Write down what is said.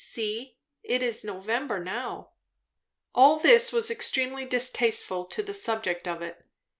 See, it is November now." All this was extremely distasteful to the subject of it.